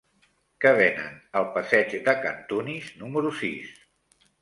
Què venen al passeig de Cantunis número sis?